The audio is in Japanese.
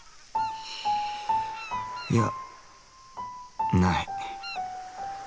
いやない。